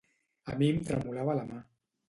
A mi em tremolava la mà.